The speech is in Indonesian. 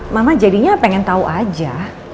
mama jadinya pengen tahu aja